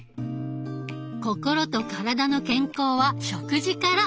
心と体の健康は食事から！